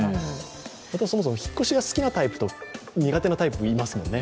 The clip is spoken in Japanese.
そもそも引っ越しが好きなタイプと苦手なタイプがいますもんね。